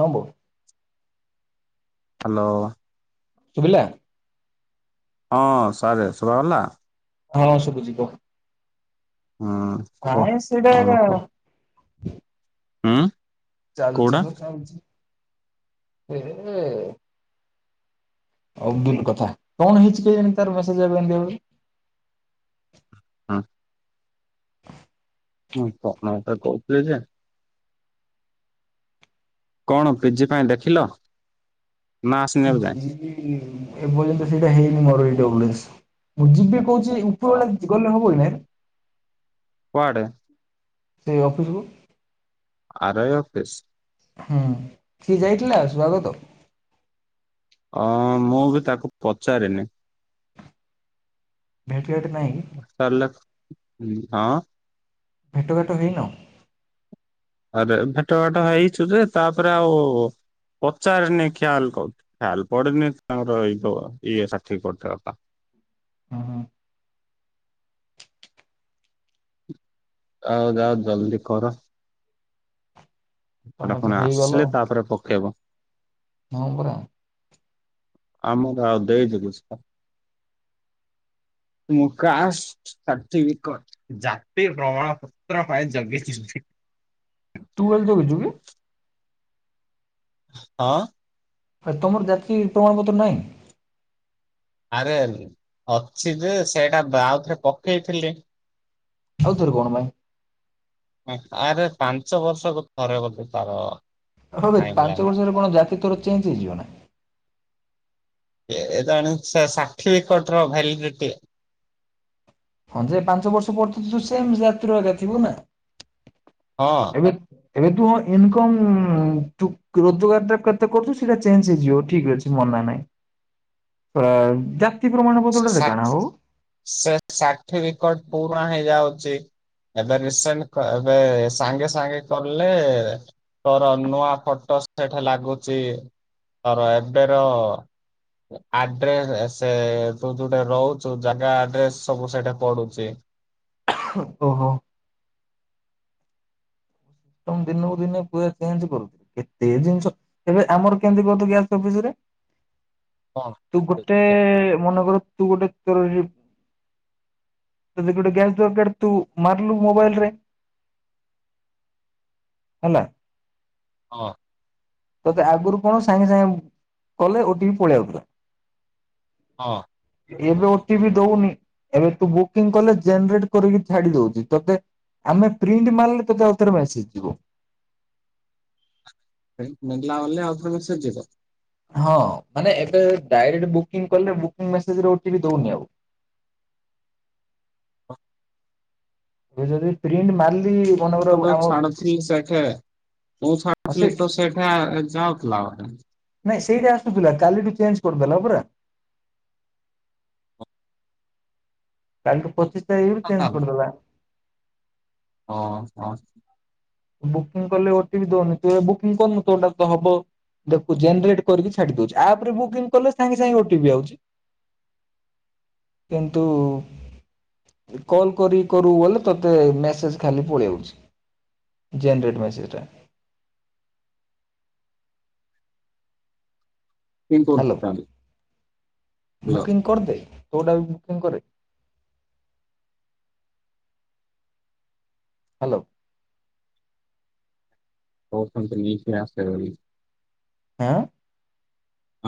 ହଁ ବୋ ହାଲୋ ଶୁଭିଲା। ହଁ ସାର୍ ଶୁଭ ଗଲା। ହଁ ଶୁଭୁଛି କୁହ? ହୁଁ କୁହ ନାଇଁ କଣ ସେଇଟା- କୁହ ହୁଁ ଚାଲଛି କୋଉଟା ମୁ ଚାଲଛି ଏହେ ଅବଦୁଲ କଥା କଣ ହେଇଛି କେଜାଣି ତାର ମେସେଜ ଏବେ ଏମିତି ଆ ଉଁ। ହୁଁ। [unintelligible] କଣ ପିଜି ପାଇଁ ଦେଖିଲ? ନା ଆସିନି ଏବେ ଯାଏଁ ଏ ଭଳିଆ ମେସେଜ ଟା ହେଇନି ମୋର ଇଡ୍ବୁଏସ ମୁଁ ଯିବି କହୁଛି ଅ ଉପରବେଳା ଗଲେ ହବ କି ନାଇ? କୁଆଡ଼େ? ସେଇ ଅଫିସକୁ। R I office. ହୁଁ କିଏ ଯାଇଥିଲା ସ୍ଵାଗତ? ଅ ମୁଁ ବି ତାକୁ ପଚାରିନି। ଭେଟିବାଟ ନାହିଁ କି? ଉଁ ହଁ। ଭେଟ ଭାଟ ହେଇନ? ଆରେ ଭେଟ ଫାଟ ହେଇଛୁ ଯେ ତାପରେ ଆଉ ପଚାରନି ଖ୍ୟାଲ କ ଖ୍ୟାଲ ପଡନି ତାଙ୍କରଇ ଇଏଠିକ ସାର୍ଟିଫିକେଟ କା। [inaudible] ହୁଁ ହୁଁ ଆଉ ଯ ଆଉ ଜଲଦି କର। ତମେ ସେଟା ତ ପୁଣି ଆସିଲେ ତାପରେ ପକେଇବ। ନମ୍ବରା? ଆମକୁ ଆଉ ଦେଇଚି କିସ? ମୁ କାଷ୍ଟ୍ ସାଠିପିକେଟ୍ ଜାତି ପ୍ରମାଣପତ୍ର ପାଇଁ ଯୋଗ୍ୟ। [unintelligible] ତୁ ହେଲେ ଜଗିଛୁ କି? ହଁ। ଆ ତମର ଯାତ୍ରୀ ପ୍ରମାଣପତ୍ର ନାହିଁ? ଆରେ ଅଛି ଯେ ସେଟା ଆଉଥରେ ପକେଇଥିଲି। ଆଉଥରେ କଣ ପାଇଁ? ଆରେ ପାଞ୍ଚ ବର୍ଷକ ଥରେ ବୋଧେ ତାର ଟାଇମ ପାଞ୍ଚ ଲାଇନ୍। ବର୍ଷରେ କଣ ଜାତି ତର ଚେଞ୍ଜ ହେଇଯିବ ନା? କେଜାଣି ସାଠିପିକେଟ୍ ର ଭେଲିଡିଟି। ହଁ ଯେ ପାଞ୍ଚ ବର୍ଷ ପର୍ ତୁ ତ ସେମ ଜାତି ଏକା ଥିବୁ ନା। ହଁ। ଏବେ ଏବେ ତୁ ଇନକମ୍ ଉମ୍ ତୁ ରୋଜଗାର ଟା କେତେ କରୁଛୁ ସେଇଟା ଚେଞ୍ଜ ହେଇଯିବ ଠିକ ଅଛି। ମନା ନାହିଁ। ଅ ଜାତୀ ପ୍ରମାଣ ବଦଲ ସା କାଣା ହଉ? ସେ ସାଠିପିକେଟ ପୁରୁଣା ହେଇଯାଉଛି। ଏବେ ରିସେଣ୍ଟ ଏବେ ସାଙ୍ଗେ ସାଙ୍ଗେ କଲେ ତୋର ନୂଆ ଫଟୋ ସେଠା ଲାଗୁଚ ତୋର ଏବେର ଆଡ୍ରେ ସେ ତ ଯୋଉଟା ରହୁଚୁ ଜାଗା ଆଡ୍ରେସ ସବୁ ସେଇଠା ପଡୁଛି। ଓହୋ। ତମେ ଦିନକୁ ଦିନେ ପୁରା ଚେଞ୍ କରୁଛ କେତେ ଜିନିଷ ଏବେ ଆମର କେମିତି କୁହନ୍ତୁ ଗ୍ୟାସ୍ ଅଫିସରେ? ହଁ ତୁ ଗୁଟେ ମନେ କର ତୁ ଗୁଟେ ତୋର ଯାଦି ଗୋଟେ ଗ୍ୟାସ ଦରକାର ତୁ ମାରିଲୁ ମୋବାଇଲରେ। ହେଲା। ହଁ। ତତେ ଆଗରୁ କଣ ସାଙ୍ଗେ ସାଙ୍ଗେ ଉମ୍ କଲେ ଓଟିପି ପଳେଇ ଆଉଥୀଲା। ହଁ। ଏବେ ଓଟିପି ଦୋଉନି ଏବେ ତୁ ବୁକିଂ କଲେ ଜେନେରେଟ କରିକି ଛାଡି ଦୋଉଚି ତତେ ଆମେ ପ୍ରିଣ୍ଟ ମାରିଲେ ତତେ ଆଉ ଥରେ ମେସେଜ ଯିବ। [unintelligible] ଆଉ ଥରେ ମେସେଜ୍ ଯିବ ହଁ ମାନେ ଏବେ ଡାଇରେକ୍ଟ ବୁକିଂ କଲେ ବୁକିଂ ମେସେଜର ଓ ଟି ପି ଦୋଉନି ଆଉ। ଅ ଏବେ ଯଦି ପ୍ରିଣ୍ଟ ମାରିଲି ମନେକର ଆମ [unintelligible] ସିସ୍ ଶାଖା ମୁଁ ହଁ ସେ ଛାଡୁଥିଲି ତ ସେଇଠା ଯାଉଥିଲା ସେଇଠା ଆସୁଥିଲା କାଲିଠୁ ଚେଞ୍ଜ କରିଦେଲା ପରା। ତାଙ୍କୁ ପଚିଶ ତାରିଖରୁ ଚେଞ୍ଜ କରିଦେଲା। ଅହ। ବୁକିଂ କଲେ ଓଟିପି ଦୋଉନି ତୁ ଏବେ ବୁକିଂ କରୁନୁ ତୋଟା ତ ହବ। ଦେଖୁଛି ଜେନେରେଟ୍ କରିକି ଛାଡିଦଉଛି ଆପ ରେ ବୁକିଂ କଲେ ସାଙ୍ଗେ ସାଙ୍ଗେ ଓ ଟି ପି ଆଉଚି। କିନ୍ତୁ କଲ୍ କରି କରୁ ବୋଲି ତୋତେ ମେସେଜ ଖାଲି ପଳେଇଆଉଛି। ଜେନରେଟ୍ ମେସେଜଟା। କିନ୍ତୁ ହାଲୋ ହ୍ୟାଲୋ ବୁକିଂ କରିଦେ ତୋଟା ବି ବୁକିଂ କରରେ ହାଲୋ। କୋହୁଚନ୍ତି ଲିଙ୍କରେ ଆସେ ବୋଲି। ଆଁ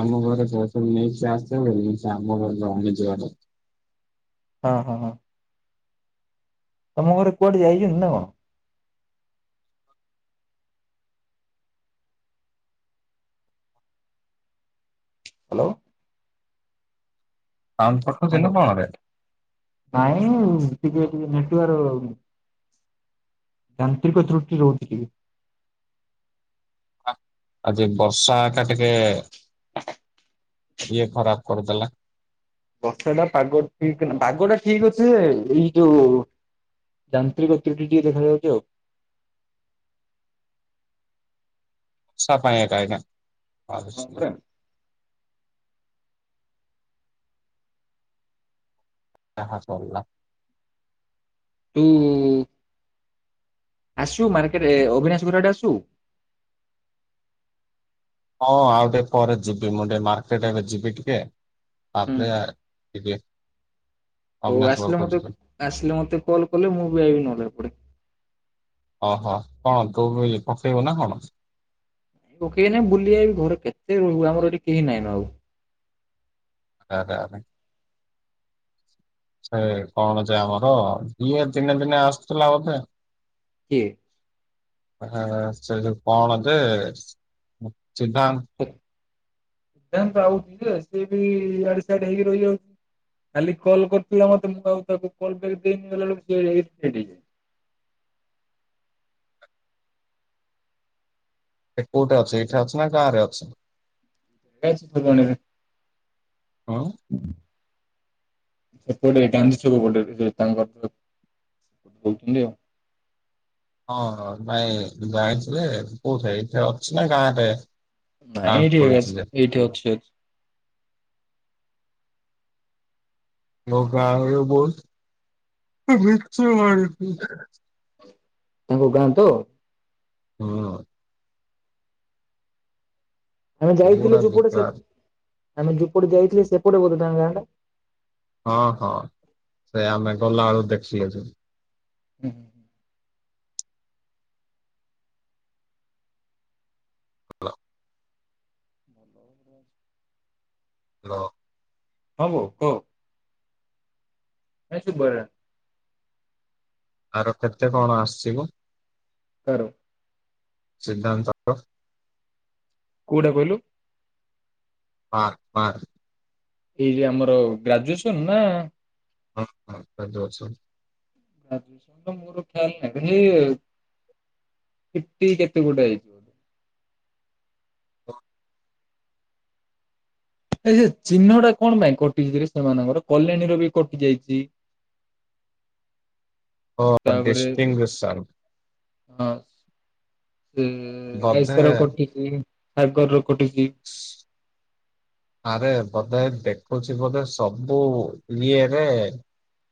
ଆମ ଘରେ ଯାହା ସବୁ ଲିଷ୍ଟ ଆସେ [unintelligible] ନିଜ ବାଟ ହଁ ହଁ ହଁ। ତମକୁ ରେ କଡ ଯାଇଚନ୍ତି ନା କଣ? ହାଲୋ। ସାଉଣ୍ଡ କଟୁଛି ନା ହାଲୋ କଣ ବେ? ନାଇଁ ଟିକେ ଏଇଠି ମିଟୁଆର ଯାନ୍ତ୍ରିକ ତ୍ରୁଟି ରିହୁଚି ଟିକେ ଆଜି ବର୍ଷା ଟା ଟିକେ ଇଏ ଖରାପ କରିଦେଲା ବର୍ଷା ଟା ପାଗ ଠିକ ନା ପାଗ ଟା ଠିକ ଅଛି ଯେ ଏଇ ଯୋଉ ଯାନ୍ତ୍ରିକ ଅ ତ୍ରିଟିଟିଏ ଦେଖାଯାଉଚି ଆଉ। [inaudible] ର୍ଷା ପାଇଁ ଏକା ହଁ ଆଜ୍ଞା ନା ପରା ଯାହା ସରଲା। ହୁଁ ହୁଁ ହୁଁ। ଆସୁ ମାନକେଟ ଅବିନାଶ ଘରଆଡେ ଆସୁ ହଁ ଆଉ ଟିକେ ପରେ ଯିବି ମୁଁ ଟିକେ ମାର୍କେଟ ଏବେ ଯିବି ଟିକେ ହୁଁ ତାପରେ ଯିବି ହଉ ଅବିନାଶ ଆସିଲେ ଘରକୁ ମତେ ଆସିଲେ ମତେ କଲ କଲେ ମୁଁ ବିି ଆଇବି ନହଲେ ହେପଟେ ଓହୋ କଣ ତୁ ବି ପକେଇବୁ ନା କଣ? ନାଇ ପକେଇ ନାଇଁ ବୁଲିବା ଘର କେତେ ରହିବ ଆମର ଏଠି କେହି ନାଇଁ ନବାକୁ [unintelligible] ପାଇଁ ସେ କଣ ଅଛି ଆମର ଯିଏ ଦତିନେ ଦିନେ ଆସୁଥିଲା ବୋଧେ କିଏ? ହା ସେଇଯୋଇ କଣ ଯେ [unintelligible] [unintelligible] ଯେ ସିଏ ବି ଆଡେ ସାଡ ହେଇକି ରହିଯାଉଛି। କାଲି କଲ୍ କରିଥିଲା। ମତେ ମୁଁ ତାକୁ କଲ ବ୍ୟାକ୍ ଦେଇନି [unintelligible] ହେଇଯାଇଚି। [inaudible] ଏ କୋଉଠି ଅଛ ଏଇଠା ଅଛ ନା ଗାଁ ରେ ଅଛ [unintelligible] ଛିତଣରେ ହଁ। [unintelligible] ଏପଟେ ଗାନ୍ଧି ସବୁ ଗୋଟେ ତାଙ୍କର ଉ [unintelligible] ହଁ ନାଇଁ ଜାଣିଛି ଯେ କୋଉଠି ଏଠି ଅଛି ନା ଗାଁରେ ନାଇଁ ଗାଁକୁ ପଳେଇଛି ଏଇଠି ଯେ ଏଇଠି ଅଛି [unintelligible] ହଉ କରେ ବହୁ [unintelligible] ତାଙ୍କ ଗାଁ ତ? ହଁ। ଆମେ ଯାଇଥିଲେ ଏଇଗୁଡା ଯୋଉପଟେ ସେ ବେକାର ଆମେ ଯୋପଟେ ଯାଇଥିଲେ ସେପଟେ ବୋଧେ ତାଙ୍କ ଗାଁ ଟା ହଁ ହଁ ସେ ଆମେ ଗଲା ବେଳକୁ ଦେଖିଲେ ଯେ ହୁଁ। ହ [unintelligible] ହ [unintelligible] ହଁ ବୋ କହ। ଏସ ବର [unintelligible] ଆର କେତେ କଣ ଆସିବ? କରୋ [unintelligible] ସିଦ୍ଧାନ୍ତର କୋଉଟା କହିଲୁ? ହଁ ହଁ। ଏଇ ଯେ ଆମର ଗ୍ରାଜୁଏସନ ନା? ହଁ ହଁ [unintelligible] ସୁ ଅଛ। ଗ୍ରାଜୁଏସନ ମୋର ଖିଆଲ୍ ନାହିଁ [unintelligible] ଖଲି [unintelligible] କଟିିକ କେତିକଟ ଆଇଚ [unintelligible] ହଁ। ଆ ଚିହ୍ନଟା କଣ ପାଇଁ କଟି ଯେ ସେମାନଙ୍କର କଲ୍ୟାଣୀର ବି କଟି ଯାଇଛି। ଓ ତାପରେ ଡିଷ୍ଟଟିଂ [unintelligible] ସାର୍ଭ ହଁ ସେ ଆଇସ୍ ର କଟିଛିି ଖାରଗର ର କଟିଛି ଆରେ ବୋଧେ ଦେଖୁଛି ବୋଧେ ସବୁ ଇ ଏରେ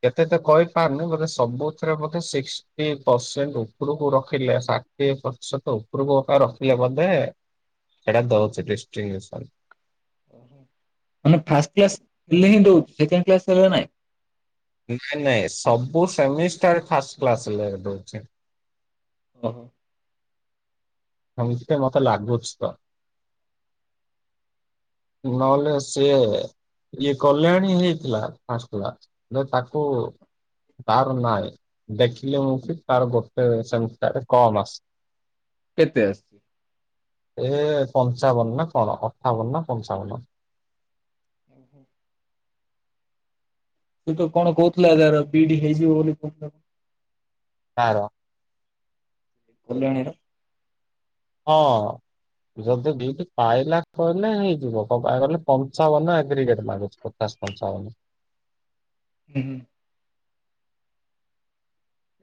କେତେ ତ କହିପାରୁନି ବୋଧେ ସବୁଥିରେ ବୋଧେ ଷିକ୍ଟି ପରସେଣ୍ଟ ଉପରକୁ ରଖିଲେ [unintelligible] ଷାଠିଏ ପ୍ରତିଶତ ଉପରକୁ କା ରଖିଲେ ବୋଧେ ସେଟା ଦଉଛି ଦିଷ୍ଟ୍ରଂନ ସନ୍। ମାନେ ଫାଷ୍ଟ୍ କ୍ଲାସ୍ ହେଲେ ହିଁ ଦଉଛି ସେକେଣ୍ଡ୍ କ୍ଲାସ୍ ହେଲେ ନାହିଁ। ନାଇଁ ନାଇଁ ସବୁ ସେମିଷ୍ଟାର୍ ରେ ଫାଷ୍ଟ କ୍ଲାସ୍ ହେଲେ ରେ ଦଉଛି। ଓ ହୋ। [unintelligible] ସମମିତିଟ ମତେ ଲାଗୁଛି ତ [unintelligible] ନହଲେ ସେ ଇଏ କଲ୍ୟାଣୀ ହେଇଥିଲା [unintelligible] ଫାସଲା ତାକୁ ତାର ନାଇଁ ଦେଖିଲି ମୁଁ କି ତାର ଗୋଟେ ସେ କମ୍ ଆସେ କେତେ ଆସ୍ଛି। ଏ ପଞ୍ଚାବନ ନା କଣ ଅଠାବନ ନା ପଞ୍ଚାବନ ଓହୋ ସେ ତ କଣ କହୁଥିଲା ତାର ବିଇଡି ହେଇଯିବ ବୋଲି [unintelligible] କହ ଦେବ କା ର କଲ୍ୟାଣି ର ହଁ। ଯଦି ଦି ଟି ପାଇଲା କହିଲେ ହେଇଯିବ କଲେ ପଞ୍ଚାବନ ଏଗ୍ରିଗେଟ ମାଗୁଛି [unintelligible] ଥା ପଞ୍ଚାବନ। ହୁଁ ହୁଁ।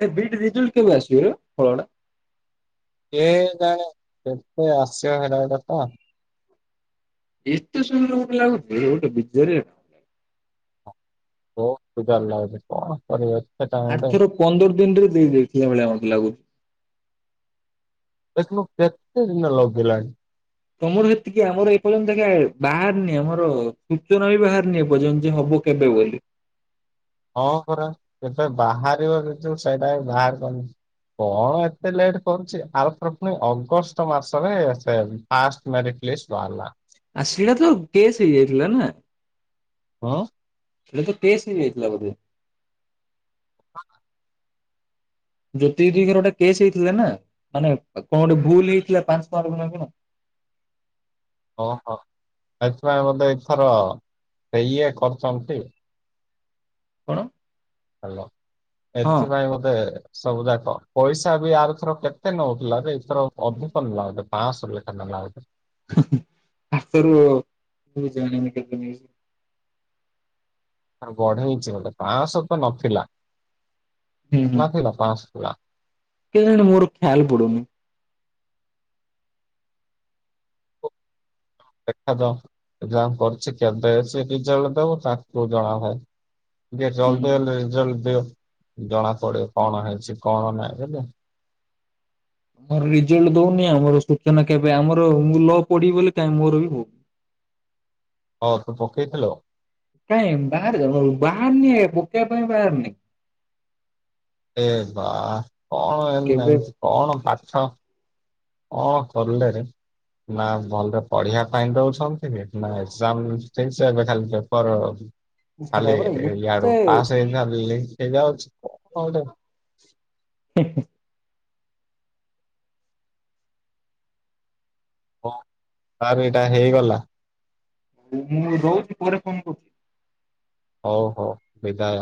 ଏ ବିଟ ରେଜଲ୍ଟ କେବେ ଆସିବ ଫଳ ଟା? ଏ ନାଁ ନାଁ କେତେ ଆସିବା ହେଲାଟା ତ ଏତେ ସୁନ୍ଦର ମତେ ଲାଗୁଚି ଗୋଟେ [unintelligible] ହଉ ସୁଧାର ଲାଗୁଚି କଣ ପରିବେଶ ଆରଥର ପନ୍ଦର ଦିନରେ ଦେଇଦେଇଥିଲା ଭଳିଆ ମତେ ଲାଗୁଛି। ଏଥର କେତେଦିନ ଲଗେଇଲାଣି? ତମର ସେତିକି ଆମର ଏପର୍ଯ୍ୟନ୍ତ କାଇଁ ବାହାରନି ଆମର ସୂଚନା ବି ବାହାରିନି ଏ ପର୍ଯ୍ୟନ୍ତ ଯେ ହବ ଓ କେବେ ହ ବୋଲି? ହଁ ପରା କେବେ ବାହାରିବ ଯେ ଜିନଷ ସେଇଟା ବି ବାହାର କରିନି। କଣ ଏତେ ଲେଟ କରୁଛି? ଆଉଥରେ ପୁଣି ଅଗଷ୍ଟ ମାସରେ ସେ ଫାଷ୍ଟ ମେରିଟ୍ ପ୍ଲେସ୍ ବାହାରିଲା। ଆ ସେଇଟା ତ କେସ୍ ହେଇଯାଇଥିଲା ନା। ହଁ ସେଇଟା ତ କେସ ହେଇଯାଇଥିଲା ବୋଧେ? [unintelligible] ଜ୍ୟୋତି ଦିଦିଙ୍କର ଗୋଟେ କେସ୍ ହେଇଥିଲା ନା, ମାନେ କଣ ଗୋଟେ ଭୁଲ ହେଇଥିଲା ପାଞ୍ଚ ମାର୍କ ନା କଣ? [inaudible] ଓହୋ ସେଥିପାଇଁ ବୋଧେ ଏଥର ସେ ଇଏ କରୁଛନ୍ତି। କଣ? ହ୍ୟାଲୋ ହଁ ଏଥିପାଇଁ ବୋଧେ ସବୁ ଯାକ ପଇସା ବି ଆରଥର କେତେ ନଉଥିଲା ଯେ ଏଥର ଅଧିକ ନେଲା ପାଞ୍ଚଶହ ଲେ। [unintelligible] ମୁଁ ଜାଣିନି କେତେ ନେଇଛି? ଆ ବଢେଇଛି ବୋଧେ ପାଞ୍ଚଶହ ତ ନଥିଲା। ନଥିଲା ପାଞ୍ଚଶହ ନା। କେଜାଣେ ମୋର ଖିଆଲ ପଡୁନି। [unintelligible] ଏକ୍ସାମ କରୁଛି କେବେ ସେ ରେଜଲ୍ଟ ଦବ ତାକୁ ଜଣା ଭାଇ। ଟିକେ ହୁଁ ଜଲଦି ହେଲେ ରିଜଲ୍ଟ ଦିଅ। ଜଣା ପଡିବ କଣ ହେଇଛି କଣ ନାଇଁ ବୋଲି। ଆମର ରେଜଲ୍ଟ ଦଉନି ଆମର ସୂଚନା କେବେ ଆମର ମୁଁ ଲ ପଢିବି ବୋଲି କହିଁ ମୋର ବି ହଉନି। ହଁ ତୁ ପକେଇଥିଲୁ। କାଇ ବାହାରେ ତ ବାହାରନି ପକେଇବା ପାଇଁ ବାହାରନି। ଏ ବା କଣ ଏ କେବେ ଏମତି କଣ ପାଠ। କଣ କରିଲେରେ। ନା ଭଲରେ ପଢିବା ପାଇଁ ଦଉଛନ୍ତି ନା ଏକ୍ସାମ୍ ଠିକ ସେ ଏବେ ଖାଲି ପେପର ଝାଡା ଖାଲି ପରା ଏୟଆଡୁ ଏତେ ପାସ୍ ଏଇନେ। [unintelligible] ଯାଉଚି। [unintelligible] ଓ ତାର ଏଇଟା ହେଇଗଲା। ହଉ ମୁଁ ରହୁଛି ପରେ ଫୋନ କରୁଚି। ହଉ ହଉ ବିଦାୟ।